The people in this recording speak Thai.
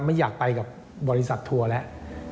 ไม่อยากไปกับบริษัททัวร์แล้ว